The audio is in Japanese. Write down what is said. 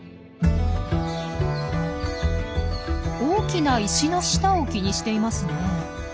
大きな石の下を気にしていますね。